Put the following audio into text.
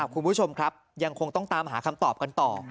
คุณผู้ชมครับยังคงต้องตามหาคำตอบกันต่อ